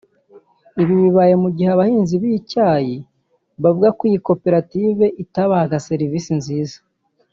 Ibi bibaye mu gihe abahinzi b’icyayi bavuga ko iyi koperative itabahaga serivisi nziza